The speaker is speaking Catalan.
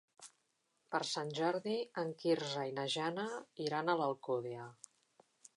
Per Sant Jordi en Quirze i na Jana iran a l'Alcúdia.